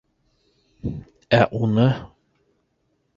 Ә уны...